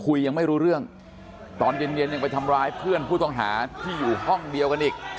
ยังไม่รู้เรื่องตอนเย็นเย็นยังไปทำร้ายเพื่อนผู้ต้องหาที่อยู่ห้องเดียวกันอีก